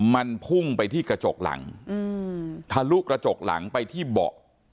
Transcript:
มันพุ่งไปที่กระจกหลังทะลุกระจกหลังไปที่เบาะ